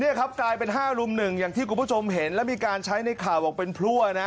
นี่ครับกลายเป็น๕ลุมหนึ่งอย่างที่คุณผู้ชมเห็นแล้วมีการใช้ในข่าวบอกเป็นพลั่วนะ